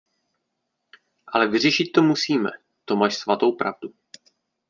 Ale vyřešit to musíme, to máš svatou pravdu.